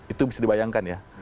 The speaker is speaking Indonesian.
itu bisa dibayangkan ya